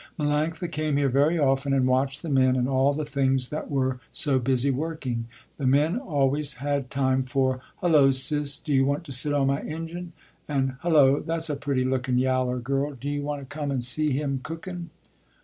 Melanctha came here very often and watched the men and all the things that were so busy working. The men always had time for, "Hullo sis, do you want to sit on my engine," and, "Hullo, that's a pretty lookin' yaller girl, do you want to come and see him cookin."